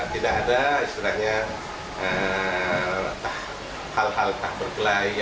tidak ada istilahnya hal hal tak berkelahi